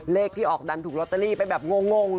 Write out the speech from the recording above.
เลขที่ออกดันถูกลอตเตอรี่ไปแบบงง